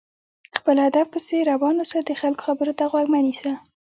خپل هدف پسې روان اوسه، د خلکو خبرو ته غوږ مه نيسه!